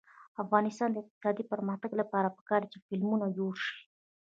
د افغانستان د اقتصادي پرمختګ لپاره پکار ده چې فلمونه جوړ شي.